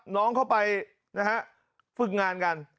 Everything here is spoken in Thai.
น้องเข้าไปนะฮะฝึกงานกัน